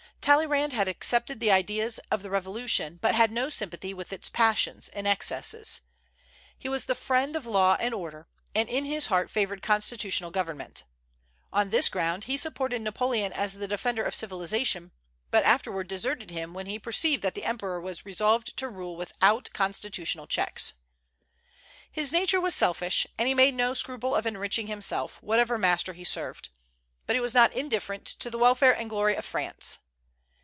Talleyrand had accepted the ideas of the Revolution, but had no sympathy with its passions and excesses. He was the friend of law and order, and in his heart favored constitutional government. On this ground he supported Napoleon as the defender of civilization, but afterward deserted him when he perceived that the Emperor was resolved to rule without constitutional checks. His nature was selfish, and he made no scruple of enriching himself, whatever master he served; but he was not indifferent to the welfare and glory of France.